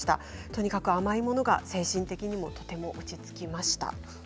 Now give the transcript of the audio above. とにかく甘いものが精神的にもとても落ち着きました。